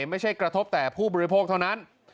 ไม่ใช่กระทบแต่ผู้บริโภคเท่านั้น